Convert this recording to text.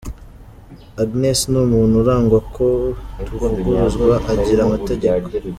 Agnes ni umuntu urangwa ko tuvuguruzwa, agira amategeko.